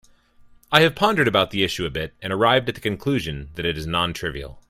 I have pondered about the issue a bit and arrived at the conclusion that it is non-trivial.